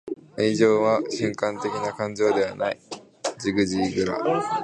愛情は瞬間的な感情ではない.―ジグ・ジグラー―